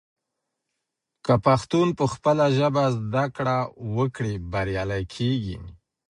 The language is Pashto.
که پښتون پخپله ژبه زده کړه وکړي، بریالی کیږي.